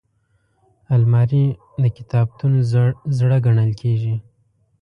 الماري د کتابتون زړه ګڼل کېږي